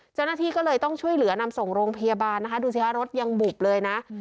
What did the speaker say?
เจ้าหน้าที่ก็เลยต้องช่วยเหลือนำส่งโรงพยาบาลนะคะดูสิคะรถยังบุบเลยนะ